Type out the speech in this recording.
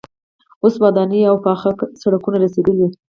اوس ودانۍ او پاخه سړکونه رسیدلي.